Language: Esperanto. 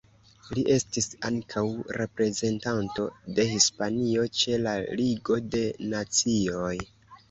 Li estis ankaŭ reprezentanto de Hispanio ĉe la Ligo de Nacioj.